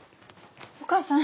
お母さん。